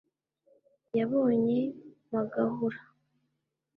Yabonye Magahura